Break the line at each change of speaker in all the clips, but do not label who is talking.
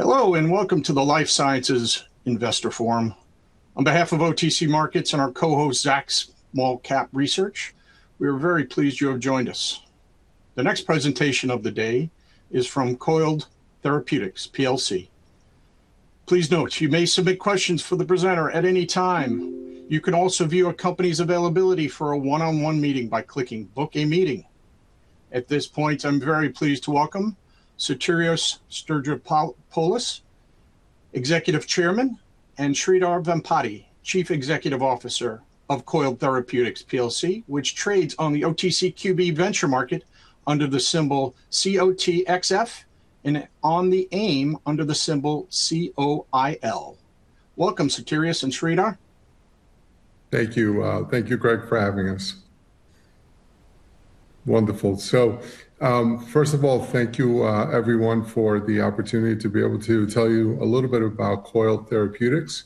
Hello, welcome to the Life Sciences Investor Forum. On behalf of OTC Markets and our co-host, Zacks Small Cap Research, we are very pleased you have joined us. The next presentation of the day is from Coiled Therapeutics PLC. Please note, you may submit questions for the presenter at any time. You can also view a company's availability for a one-on-one meeting by clicking "Book a Meeting." At this point, I'm very pleased to welcome Sotirios Stergiopoulos, Executive Chairman, and Sridhar Vempati, Chief Executive Officer of Coiled Therapeutics PLC, which trades on the OTCQB Venture Market under the symbol COTXF, and on the AIM under the symbol COIL. Welcome, Sotirios and Sridhar.
Thank you, Greg, for having us. Wonderful. First of all, thank you everyone for the opportunity to be able to tell you a little bit about Coiled Therapeutics.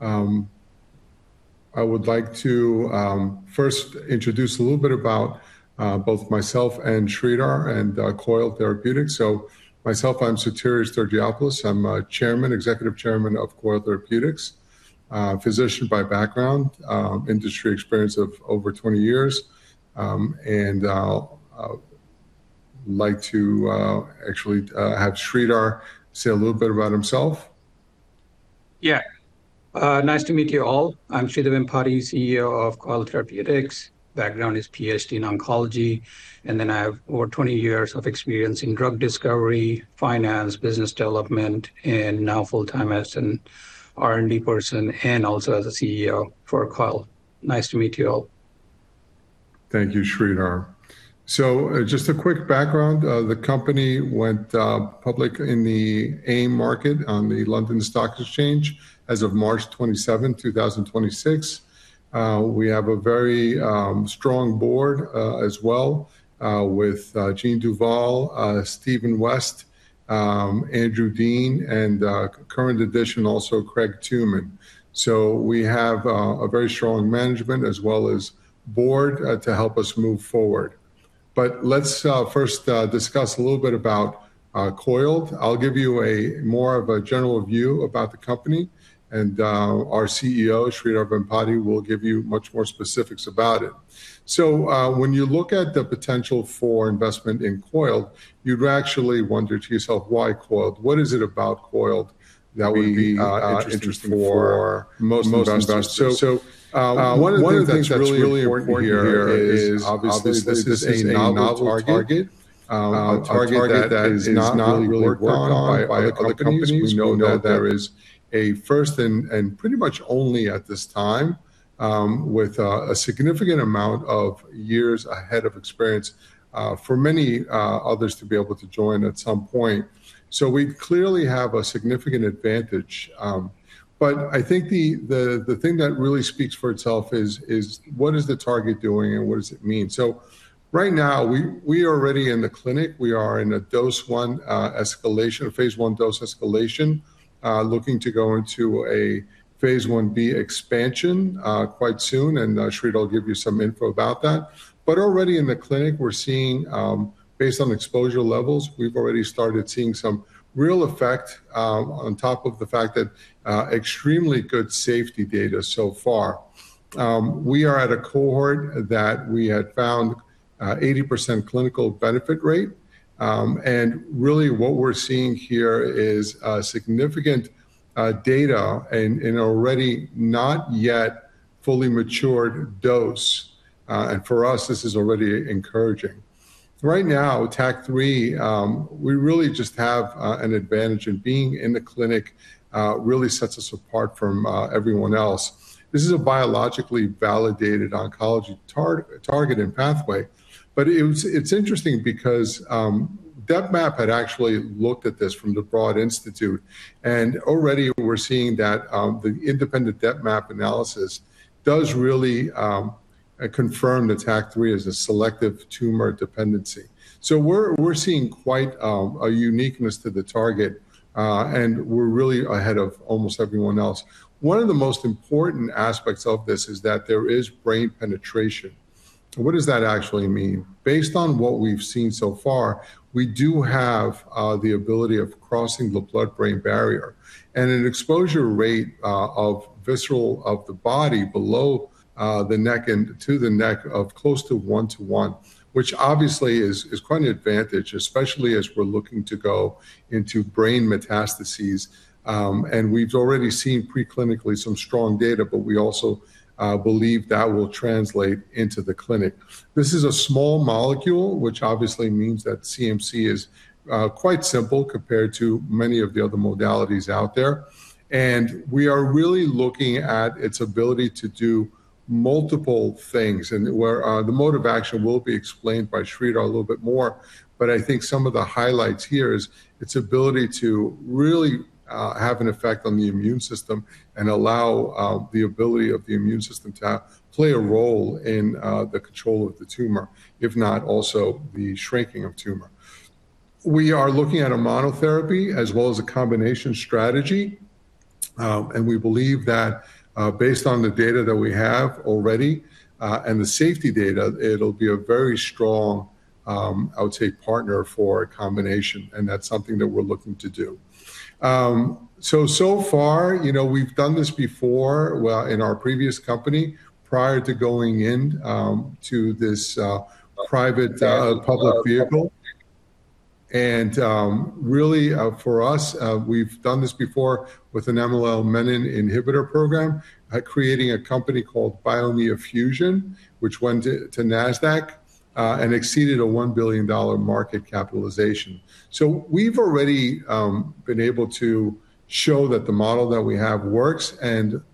I would like to first introduce a little bit about both myself and Sridhar, and Coiled Therapeutics. Myself, I'm Sotirios Stergiopoulos. I'm Executive Chairman of Coiled Therapeutics, physician by background, industry experience of over 20 years. I'll like to actually have Sridhar say a little bit about himself.
Nice to meet you all. I'm Sridhar Vempati, CEO of Coiled Therapeutics. Background is PhD in oncology, I have over 20 years of experience in drug discovery, finance, business development, and now full-time as an R&D person, and also as a CEO for Coiled. Nice to meet you all.
Thank you, Sridhar. Just a quick background. The company went public in the AIM market on the London Stock Exchange as of March 27, 2026. We have a very strong board, as well, with Jean Duvall, Stephen West, Andrew Dean, and current addition, also Craig Tooman. We have a very strong management as well as board to help us move forward. Let's first discuss a little bit about Coiled. I'll give you more of a general view about the company and our CEO, Sridhar Vempati, will give you much more specifics about it. When you look at the potential for investment in Coiled, you'd actually wonder to yourself, why Coiled? What is it about Coiled that would be interesting for most investors? One of the things that's really important here is obviously this is a novel target, a target that is not really worked on by other companies. We know that there is a first and pretty much only at this time, with a significant amount of years ahead of experience for many others to be able to join at some point. We clearly have a significant advantage. I think the thing that really speaks for itself is what is the target doing and what does it mean? Right now, we are already in the clinic. We are in a dose I escalation, a phase I dose escalation, looking to go into a phase I-B expansion, quite soon. Sridhar will give you some info about that. Already in the clinic, we're seeing, based on exposure levels, we've already started seeing some real effect, on top of the fact that extremely good safety data so far. We are at a cohort that we had found 80% clinical benefit rate. Really what we're seeing here is significant data in already not yet fully matured dose. For us, this is already encouraging. Right now, TAC3, we really just have an advantage and being in the clinic really sets us apart from everyone else. This is a biologically validated oncology targeted pathway. It's interesting because DepMap had actually looked at this from the Broad Institute, and already we're seeing that the independent DepMap analysis does really confirm that TAC3 is a selective tumor dependency. We're seeing quite a uniqueness to the target, and we're really ahead of almost everyone else. One of the most important aspects of this is that there is brain penetration. What does that actually mean? Based on what we've seen so far, we do have the ability of crossing the blood-brain barrier, and an exposure rate of visceral of the body below the neck and to the neck of close to one-to-one, which obviously is quite an advantage, especially as we're looking to go into brain metastases. We've already seen pre-clinically some strong data, but we also believe that will translate into the clinic. This is a small molecule, which obviously means that CMC is quite simple compared to many of the other modalities out there. We are really looking at its ability to do multiple things, and where the mode of action will be explained by Sridhar a little bit more. I think some of the highlights here is its ability to really have an effect on the immune system and allow the ability of the immune system to play a role in the control of the tumor, if not also the shrinking of tumor. We are looking at a monotherapy as well as a combination strategy We believe that based on the data that we have already, and the safety data, it'll be a very strong, I would say, partner for a combination, and that's something that we're looking to do. So far, we've done this before in our previous company prior to going in to this private public vehicle. Really, for us, we've done this before with an MLL-menin inhibitor program, creating a company called BioNia Fusion, which went to NASDAQ, and exceeded a $1 billion market capitalization. We've already been able to show that the model that we have works,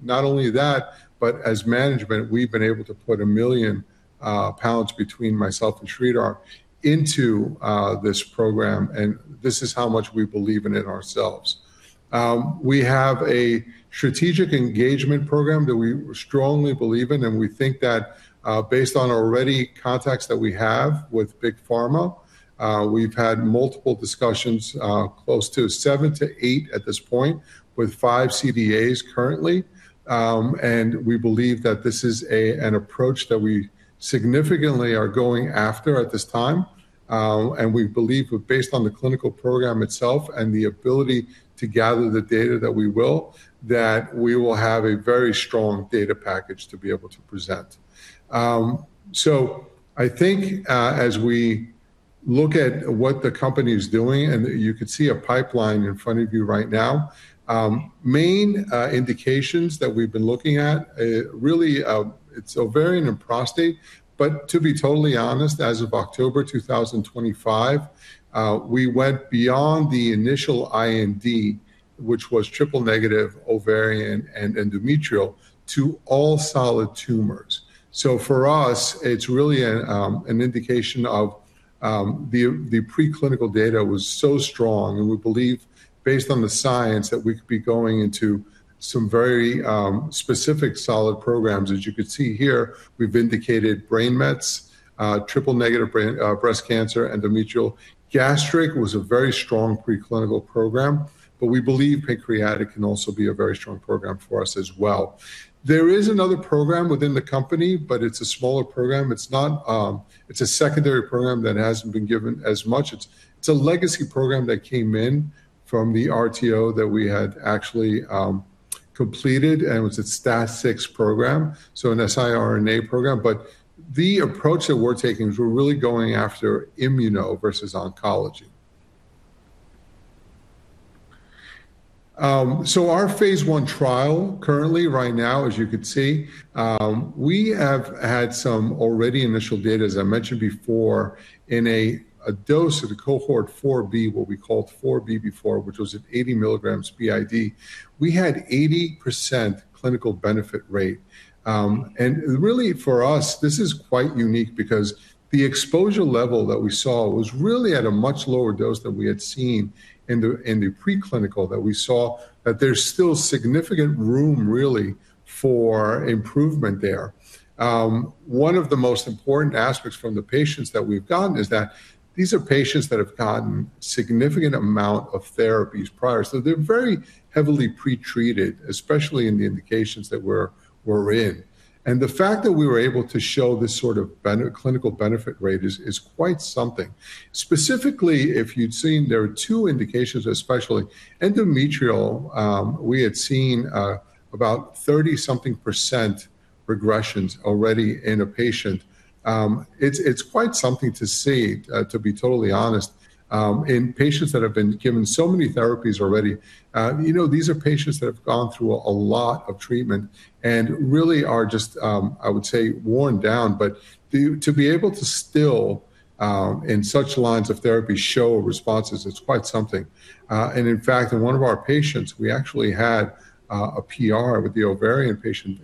not only that, but as management, we've been able to put 1 million pounds between myself and Sridhar into this program, and this is how much we believe in it ourselves. We have a strategic engagement program that we strongly believe in, and we think that based on already contacts that we have with big pharma, we've had multiple discussions, close to seven to eight at this point, with 5 CDAs currently. We believe that this is an approach that we significantly are going after at this time. We believe based on the clinical program itself and the ability to gather the data that we will, that we will have a very strong data package to be able to present. I think, as we look at what the company is doing, you could see a pipeline in front of you right now, main indications that we've been looking at, really it's ovarian and prostate. To be totally honest, as of October 2025, we went beyond the initial IND, which was triple negative ovarian and endometrial, to all solid tumors. For us, it's really an indication of the preclinical data was so strong, and we believe based on the science that we could be going into some very specific solid programs. As you could see here, we've indicated brain mets, triple negative breast cancer, endometrial. Gastric was a very strong preclinical program, we believe pancreatic can also be a very strong program for us as well. There is another program within the company, but it's a smaller program. It's a secondary program that hasn't been given as much. It's a legacy program that came in from the RTO that we had actually completed, and it was a STAT-6 program, an siRNA program. The approach that we're taking is we're really going after immuno versus oncology. Our phase I trial currently right now, as you could see, we have had some already initial data, as I mentioned before, in a dose of the cohort 4B, what we called 4B before, which was at 80 mg BID. We had 80% clinical benefit rate. Really for us, this is quite unique because the exposure level that we saw was really at a much lower dose than we had seen in the preclinical that we saw that there's still significant room really for improvement there. One of the most important aspects from the patients that we've gotten is that these are patients that have gotten significant amount of therapies prior. They're very heavily pretreated, especially in the indications that we're in. The fact that we were able to show this sort of clinical benefit rate is quite something. Specifically, if you'd seen, there are two indications, especially endometrial, we had seen about 30-something percent regressions already in a patient. It's quite something to see, to be totally honest, in patients that have been given so many therapies already. These are patients that have gone through a lot of treatment and really are just, I would say, worn down. To be able to still, in such lines of therapy, show responses, it's quite something. In fact, in one of our patients, we actually had a PR with the ovarian patient.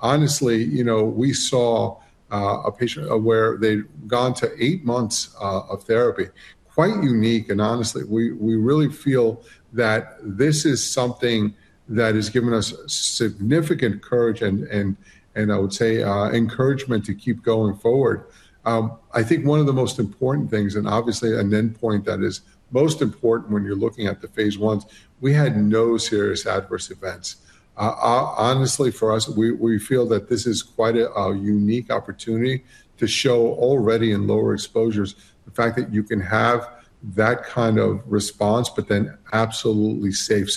Honestly, we saw a patient where they'd gone to eight months of therapy. Quite unique, and honestly, we really feel that this is something that has given us significant courage and I would say encouragement to keep going forward. I think one of the most important things, and obviously an endpoint that is most important when you're looking at the phase I, we had no serious adverse events. Honestly, for us, we feel that this is quite a unique opportunity to show already in lower exposures the fact that you can have that kind of response but then absolutely safe.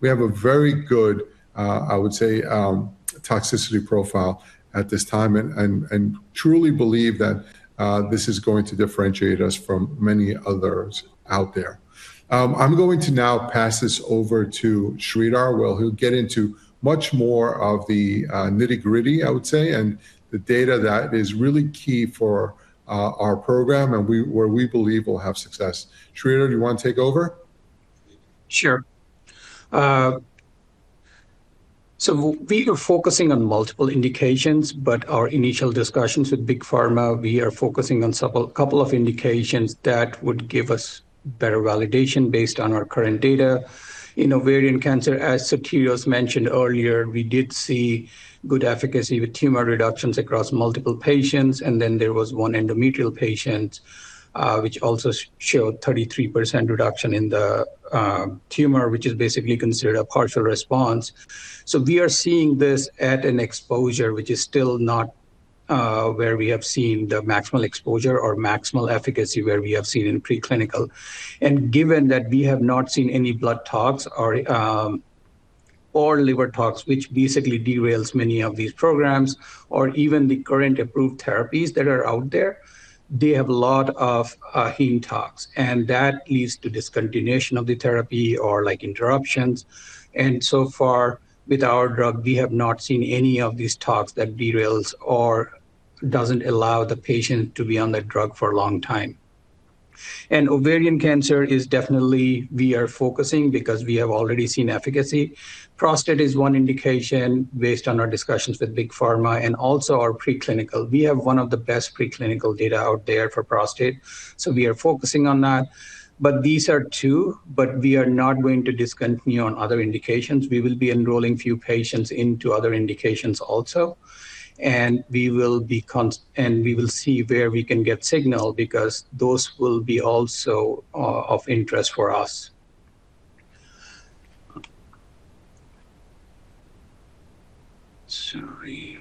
We have a very good, I would say, toxicity profile at this time and truly believe that this is going to differentiate us from many others out there. I'm going to now pass this over to Sridhar who'll get into much more of the nitty-gritty, I would say, and the data that is really key for our program and where we believe we'll have success. Sridhar, do you want to take over?
Sure. We are focusing on multiple indications, but our initial discussions with big pharma, we are focusing on a couple of indications that would give us better validation based on our current data. In ovarian cancer, as Sotirios mentioned earlier, we did see good efficacy with tumor reductions across multiple patients. There was one endometrial patient, which also showed 33% reduction in the tumor, which is basically considered a partial response. We are seeing this at an exposure which is still not Where we have seen the maximal exposure or maximal efficacy where we have seen in preclinical. Given that we have not seen any blood tox or liver tox, which basically derails many of these programs, or even the current approved therapies that are out there. They have a lot of heme tox, and that leads to discontinuation of the therapy or interruptions. So far with our drug, we have not seen any of these tox that derails or doesn't allow the patient to be on the drug for a long time. Ovarian cancer is definitely we are focusing because we have already seen efficacy. Prostate is one indication based on our discussions with big pharma and also our preclinical. We have one of the best preclinical data out there for prostate, so we are focusing on that. These are two, we are not going to discontinue on other indications. We will be enrolling few patients into other indications also, we will see where we can get signal because those will be also of interest for us. Sorry.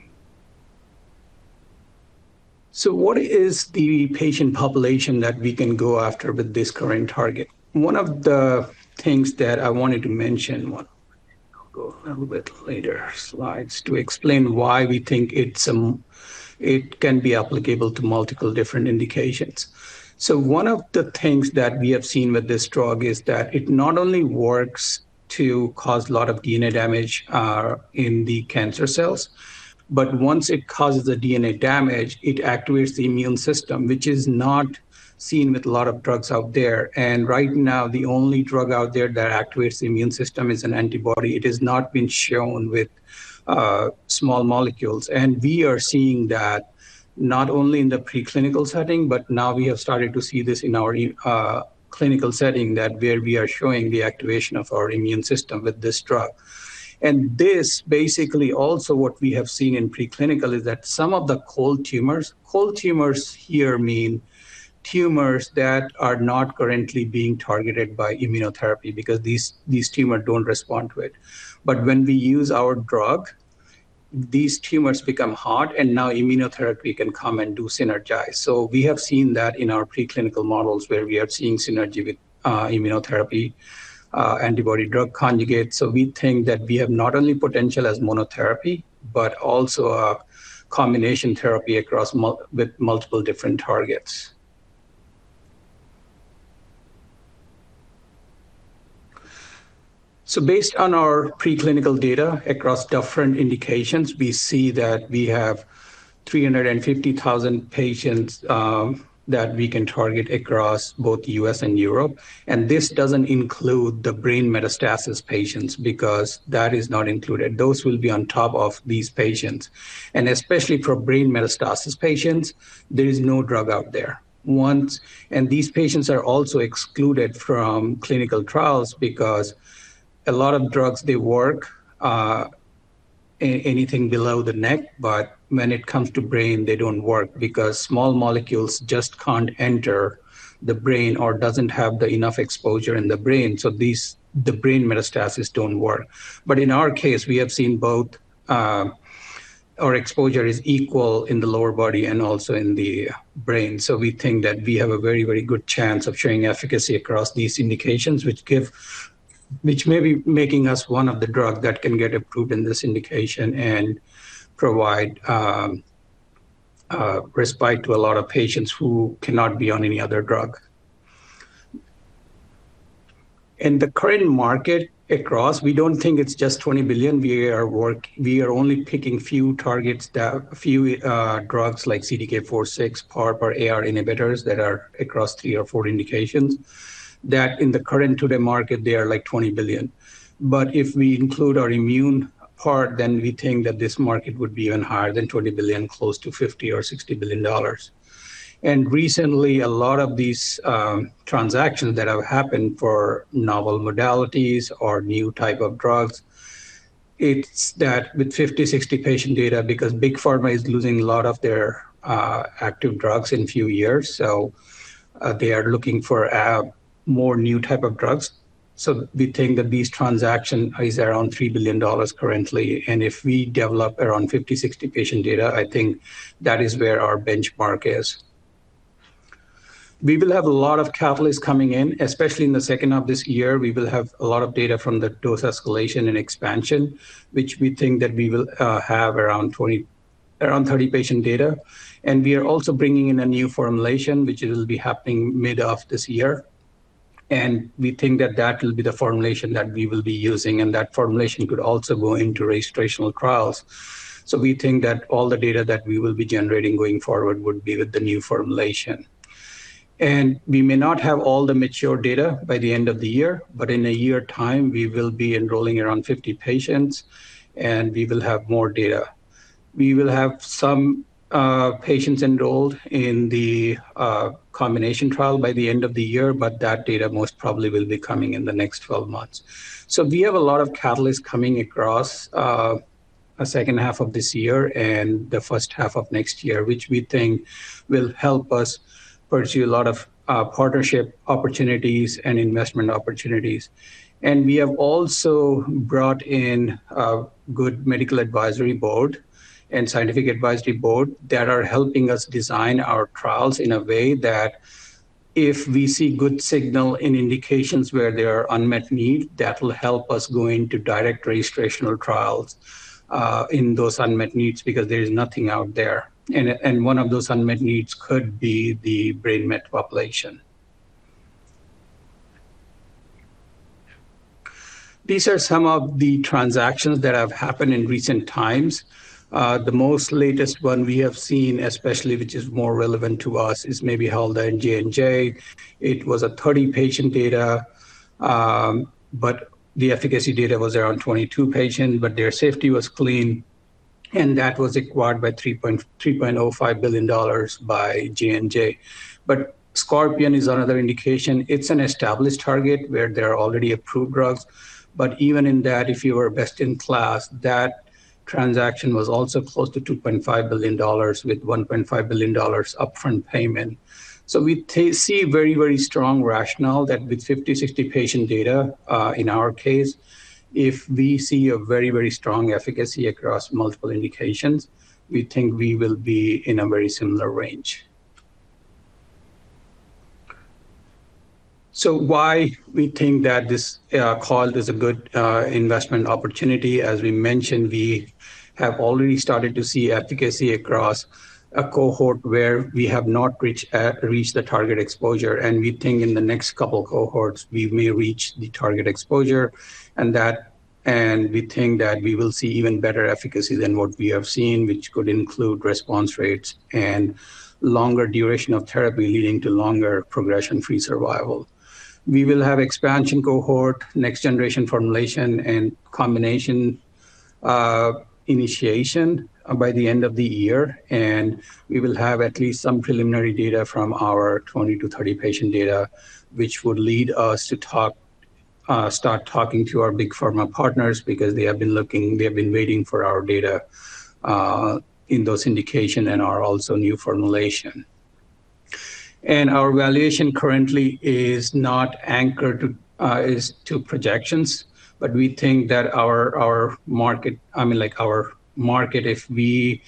What is the patient population that we can go after with this current target? One of the things that I wanted to mention, I'll go a little bit later slides to explain why we think it can be applicable to multiple different indications. One of the things that we have seen with this drug is that it not only works to cause a lot of DNA damage in the cancer cells, but once it causes the DNA damage, it activates the immune system, which is not seen with a lot of drugs out there. Right now, the only drug out there that activates the immune system is an antibody. It has not been shown with small molecules. We are seeing that not only in the preclinical setting, but now we have started to see this in our clinical setting that where we are showing the activation of our immune system with this drug. This basically also what we have seen in preclinical is that some of the cold tumors, cold tumors here mean tumors that are not currently being targeted by immunotherapy because these tumors don't respond to it. But when we use our drug, these tumors become hot and now immunotherapy can come and do synergize. We have seen that in our preclinical models where we are seeing synergy with immunotherapy, antibody drug conjugates. We think that we have not only potential as monotherapy, but also a combination therapy across with multiple different targets. Based on our preclinical data across different indications, we see that we have 350,000 patients that we can target across both U.S. and Europe, and this doesn't include the brain metastasis patients because that is not included. Those will be on top of these patients. Especially for brain metastasis patients, there is no drug out there. These patients are also excluded from clinical trials because a lot of drugs, they work anything below the neck, but when it comes to brain, they don't work because small molecules just can't enter the brain or doesn't have the enough exposure in the brain. So these, the brain metastases don't work. But in our case, we have seen both our exposure is equal in the lower body and also in the brain. So we think that we have a very good chance of showing efficacy across these indications, which may be making us one of the drug that can get approved in this indication and provide respite to a lot of patients who cannot be on any other drug. In the current market across, we don't think it's just $20 billion. We are only picking few targets that few drugs like CDK4/6, PARP, or AR inhibitors that are across three or four indications. That in the current to the market, they are like $20 billion. But if we include our immune part, then we think that this market would be even higher than $20 billion, close to $50 billion or $60 billion. Recently, a lot of these transactions that have happened for novel modalities or new type of drugs, it's that with 50, 60 patient data, because Big Pharma is losing a lot of their active drugs in few years, so they are looking for more new type of drugs. We think that these transaction is around $3 billion currently, and if we develop around 50, 60 patient data, I think that is where our benchmark is. We will have a lot of catalysts coming in, especially in the second half of this year. We will have a lot of data from the dose escalation and expansion, which we think that we will have around 30 patient data. We are also bringing in a new formulation, which will be happening mid of this year. We think that that will be the formulation that we will be using, and that formulation could also go into registrational trials. We think that all the data that we will be generating going forward would be with the new formulation. We may not have all the mature data by the end of the year, but in a year time, we will be enrolling around 50 patients, and we will have more data. We will have some patients enrolled in the combination trial by the end of the year, but that data most probably will be coming in the next 12 months. We have a lot of catalysts coming across a second half of this year and the first half of next year, which we think will help us pursue a lot of partnership opportunities and investment opportunities. We have also brought in a good medical advisory board and scientific advisory board that are helping us design our trials in a way that If we see good signal in indications where there are unmet need, that will help us go into direct registrational trials in those unmet needs because there is nothing out there. One of those unmet needs could be the BRAF brain met population. These are some of the transactions that have happened in recent times. The most latest one we have seen, especially which is more relevant to us, is maybe how the J&J, it was a 30-patient data, but the efficacy data was around 22 patients, but their safety was clean, and that was acquired by $3.05 billion by J&J. Scorpion is another indication. It's an established target where there are already approved drugs. Even in that, if you are best in class, that transaction was also close to $2.5 billion with $1.5 billion upfront payment. We see very, very strong rationale that with 50, 60 patient data, in our case, if we see a very, very strong efficacy across multiple indications, we think we will be in a very similar range. Why we think that this call is a good investment opportunity, as we mentioned, we have already started to see efficacy across a cohort where we have not reached the target exposure, and we think in the next couple cohorts, we may reach the target exposure. We think that we will see even better efficacy than what we have seen, which could include response rates and longer duration of therapy leading to longer progression-free survival. We will have expansion cohort, next generation formulation, and combination initiation by the end of the year, and we will have at least some preliminary data from our 20-30 patient data, which would lead us to start talking to our big pharma partners because they have been looking, they have been waiting for our data in those indication and our also new formulation. Our valuation currently is not anchored to projections, we think that our market, if we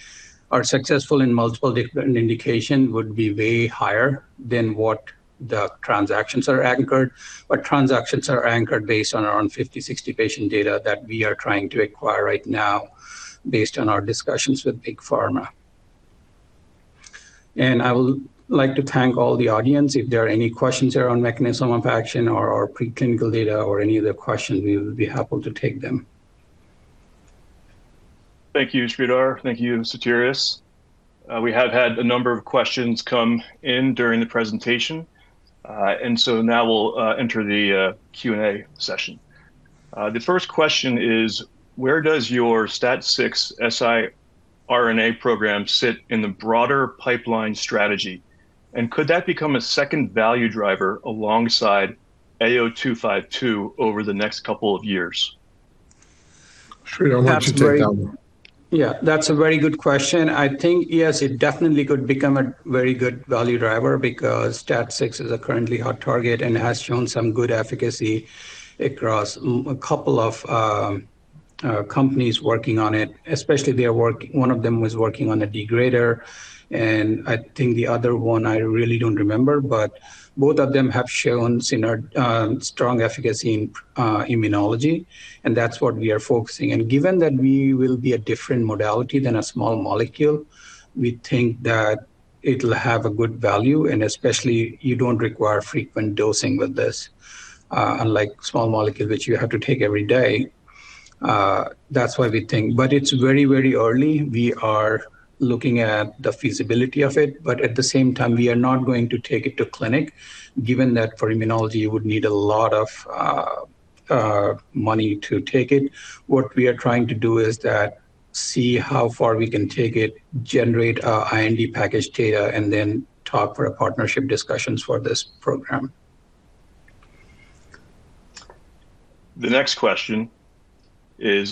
are successful in multiple different indications, would be way higher than what the transactions are anchored. Transactions are anchored based on around 50-60 patient data that we are trying to acquire right now based on our discussions with Big Pharma. I would like to thank all the audience. If there are any questions around mechanism of action or our preclinical data or any other questions, we would be happy to take them.
Thank you, Sridhar. Thank you, Sotirios. We have had a number of questions come in during the presentation. Now we'll enter the Q&A session. The first question is, where does your STAT-6 siRNA program sit in the broader pipeline strategy, and could that become a second value driver alongside AO-252 over the next couple of years?
Sridhar, why don't you take that one?
That's a very good question. Yes, it definitely could become a very good value driver because STAT-6 is a currently hot target and has shown some good efficacy across a couple of companies working on it, especially one of them was working on a degrader, the other one I really don't remember, both of them have shown strong efficacy in immunology, that's what we are focusing. Given that we will be a different modality than a small molecule, we think that it'll have a good value, especially you don't require frequent dosing with this, unlike small molecule, which you have to take every day. That's why we think. It's very, very early. We are looking at the feasibility of it, at the same time, we are not going to take it to clinic, given that for immunology, you would need a lot of money to take it. What we are trying to do is that see how far we can take it, generate our IND package data, and then talk for partnership discussions for this program.
The next question is,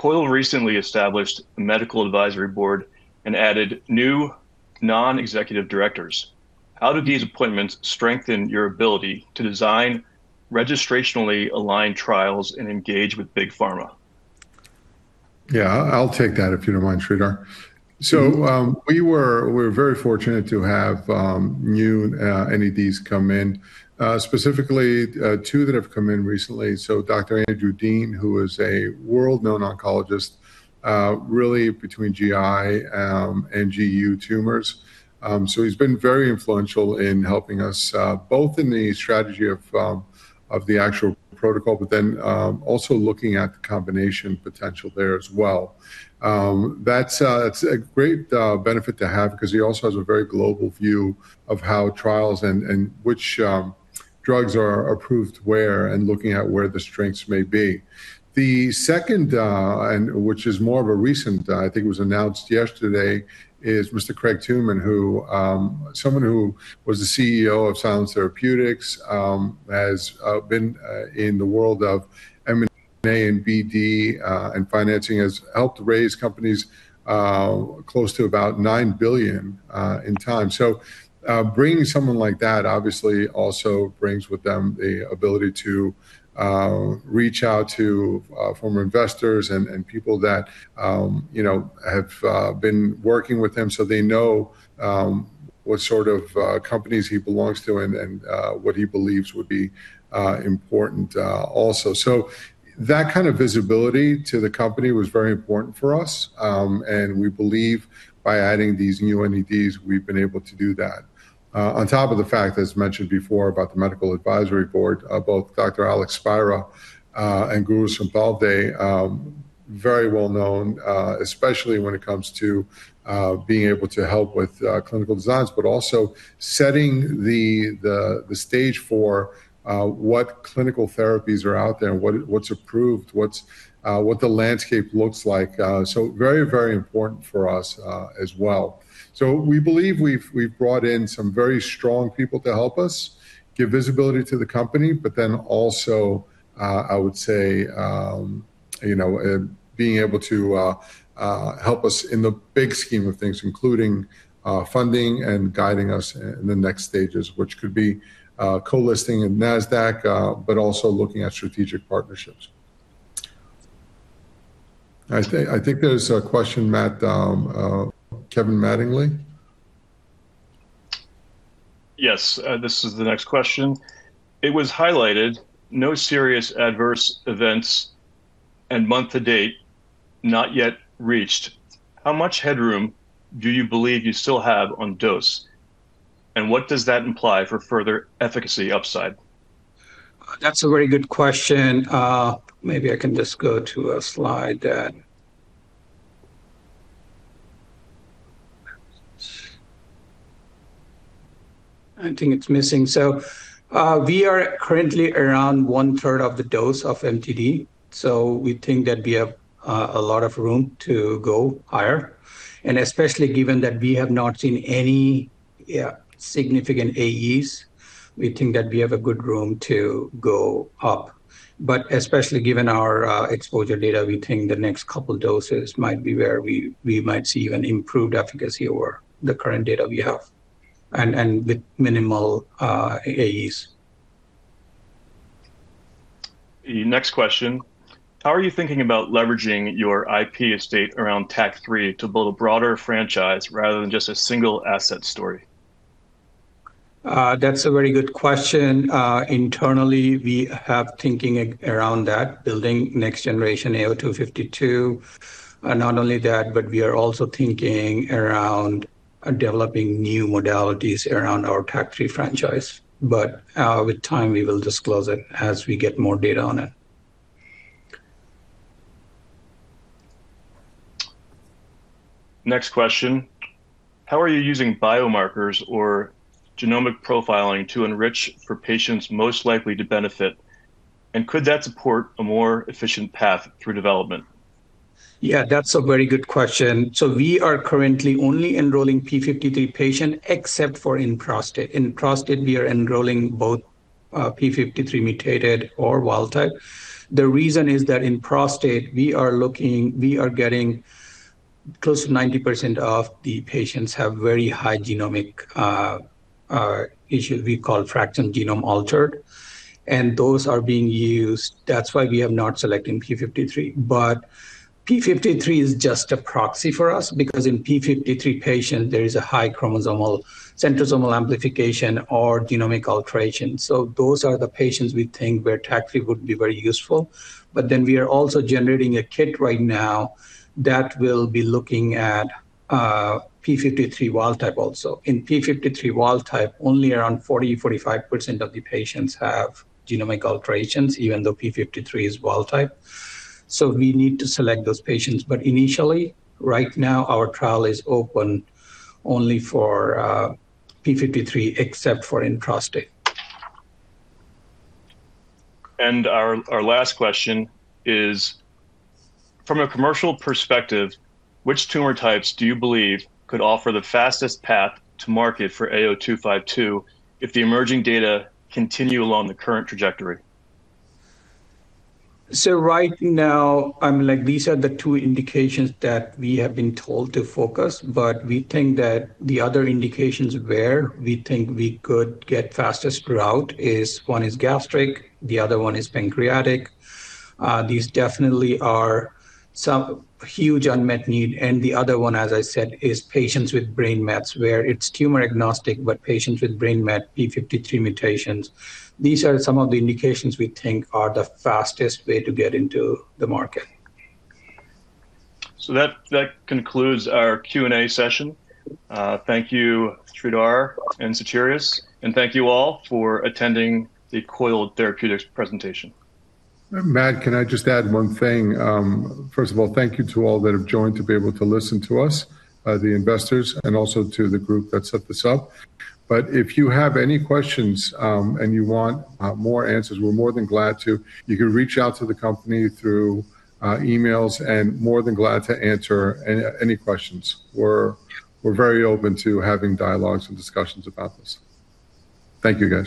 "Coiled recently established a Medical Advisory Board and added new non-executive directors. How do these appointments strengthen your ability to design registrationally aligned trials and engage with big pharma?
Yeah, I'll take that if you don't mind, Sridhar. We're very fortunate to have new NEDs come in, specifically two that have come in recently. Dr. Andrew Dean, who is a world-known oncologist, really between GI and GU tumors. He's been very influential in helping us, both in the strategy of the actual protocol, but then also looking at the combination potential there as well. That's a great benefit to have because he also has a very global view of how trials and which drugs are approved where and looking at where the strengths may be. The second, which is more of a recent, I think it was announced yesterday, is Mr. Craig Tooman, someone who was the CEO of Silence Therapeutics, has been in the world of M&A & BD and financing, has helped raise companies close to about $9 billion in time. Bringing someone like that obviously also brings with them the ability to reach out to former investors and people that have been working with him, they know what sort of companies he belongs to and what he believes would be important also. That kind of visibility to the company was very important for us, and we believe by adding these new NEDs, we've been able to do that. On top of the fact, as mentioned before, about the medical advisory board, both Dr. Alex Spira and Guru Sonpavde, very well known, especially when it comes to being able to help with clinical designs, but also setting the stage for what clinical therapies are out there and what's approved, what the landscape looks like. Very, very important for us as well. We believe we've brought in some very strong people to help us give visibility to the company, also, I would say, being able to help us in the big scheme of things, including funding and guiding us in the next stages, which could be co-listing in NASDAQ, also looking at strategic partnerships. I think there's a question, Matt. Kevin Mattingly?
Yes. This is the next question. It was highlighted, no serious adverse events and month to date, not yet reached. How much headroom do you believe you still have on dose, and what does that imply for further efficacy upside?
That's a very good question. Maybe I can just go to a slide that I think it's missing. We are currently around 1/3 of the dose of MTD, we think that we have a lot of room to go higher, and especially given that we have not seen any significant AEs, we think that we have a good room to go up. Especially given our exposure data, we think the next couple doses might be where we might see an improved efficacy over the current data we have and with minimal AEs.
Next question. How are you thinking about leveraging your IP estate around TAC003 to build a broader franchise rather than just a single asset story?
That's a very good question. Internally, we have thinking around that, building next generation AO-252. Not only that, we are also thinking around developing new modalities around our TAC003 franchise. With time, we will disclose it as we get more data on it.
Next question. How are you using biomarkers or genomic profiling to enrich for patients most likely to benefit, and could that support a more efficient path through development?
Yeah, that's a very good question. We are currently only enrolling P53 patient except for in prostate. In prostate, we are enrolling both P53 mutated or wild type. The reason is that in prostate, we are getting close to 90% of the patients have very high genomic issue we call fraction genome altered, and those are being used. That's why we have not selected P53. P53 is just a proxy for us because in P53 patient, there is a high chromosomal centromere amplification or genomic alteration. Those are the patients we think where TAC003 would be very useful. We are also generating a kit right now that will be looking at P53 wild type also. In P53 wild type, only around 40%-45% of the patients have genomic alterations, even though P53 is wild type. We need to select those patients. Initially, right now, our trial is open only for P53 except for in prostate.
Our last question is, from a commercial perspective, which tumor types do you believe could offer the fastest path to market for AO-252 if the emerging data continue along the current trajectory?
Right now, these are the two indications that we have been told to focus, but we think that the other indications where we think we could get fastest route is, one is gastric, the other one is pancreatic. These definitely are some huge unmet need, and the other one, as I said, is patients with brain mets where it's tumor agnostic, but patients with brain met P53 mutations. These are some of the indications we think are the fastest way to get into the market.
That concludes our Q&A session. Thank you, Sridhar and Sotirios, and thank you all for attending the Coiled Therapeutics presentation.
Matt, can I just add one thing? First of all, thank you to all that have joined to be able to listen to us, the investors, and also to the group that set this up. If you have any questions, and you want more answers, we're more than glad to. You can reach out to the company through emails and more than glad to answer any questions. We're very open to having dialogues and discussions about this.
Thank you, guys.